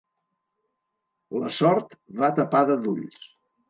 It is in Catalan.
La sort va tapada d'ulls.